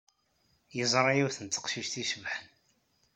Yeẓra yiwet n teqcict icebḥen.